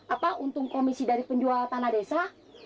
apa untung komisi dari penjual tanah desa